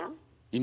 今？